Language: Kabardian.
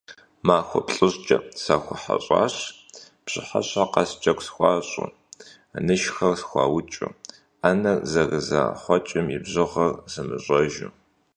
Махуэ плӀыщӀкӀэ сахуэхьэщӀащ, пщыхьэщхьэ къэс джэгу схуащӀу, нышхэр схуаукӀыу, Ӏэнэр зэрызэрахъуэкӏым и бжыгъэр сымыщӏэжу.